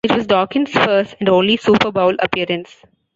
It was Dawkins' first, and only Super Bowl appearance.